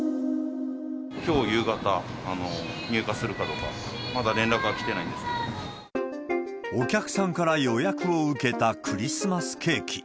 きょう夕方、入荷するかどうか、お客さんから予約を受けたクリスマスケーキ。